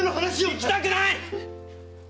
聞きたくない！